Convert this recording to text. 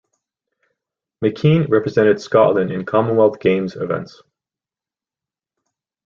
McKean represented Scotland in Commonwealth Games events.